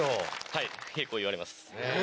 はい結構言われます。